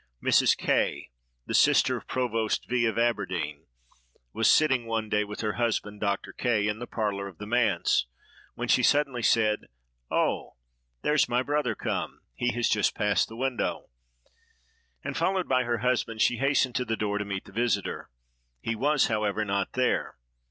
Mrs. K——, the sister of Provost B——, of Aberdeen, was sitting one day with her husband, Dr. K——, in the parlor of the manse, when she suddenly said, "Oh! there's my brother come! he has just passed the window," and, followed by her husband, she hastened to the door to meet the visiter. He was however not there.